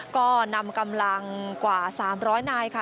ก็นำกำลังกว่า๓๐๐นายค่ะ